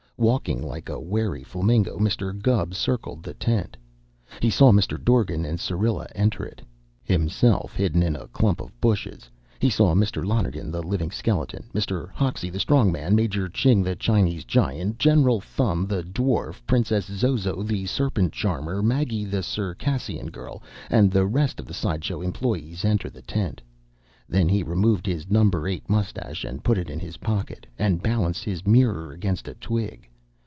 Walking like a wary flamingo, Mr. Gubb circled the tent. He saw Mr. Dorgan and Syrilla enter it. Himself hidden in a clump of bushes, he saw Mr. Lonergan, the Living Skeleton; Mr. Hoxie, the Strong Man; Major Ching, the Chinese Giant; General Thumb, the Dwarf; Princess Zozo, the Serpent Charmer; Maggie, the Circassian Girl; and the rest of the side show employees enter the tent. Then he removed his Number Eight mustache and put it in his pocket, and balanced his mirror against a twig.